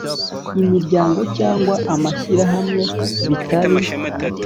imiryango cyangwa amashyirahamwe bitari